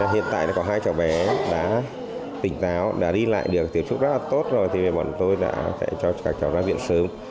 hiện tại có hai cháu bé đã tỉnh táo đã đi lại được tiêu chúc rất là tốt rồi thì bọn tôi đã cho các cháu ra viện sớm